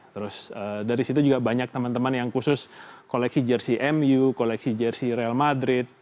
terus dari situ juga banyak teman teman yang khusus koleksi jersi mu koleksi jersi real madrid